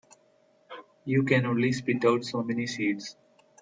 You can only spit out so many seeds.